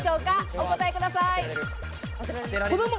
お答えください。